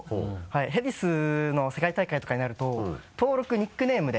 ヘディスの世界大会とかになると登録ニックネームで。